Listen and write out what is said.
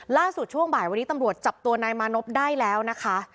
ช่วงบ่ายวันนี้ตำรวจจับตัวนายมานพได้แล้วนะคะ